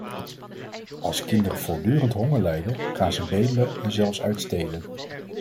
Als kinderen voortdurend honger lijden, gaan ze bedelen en zelfs uit stelen.